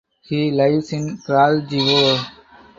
He lives in Kraljevo.